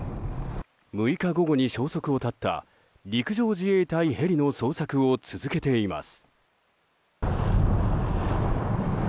６日午後に消息を絶った陸上自衛隊ヘリの捜索を続けています。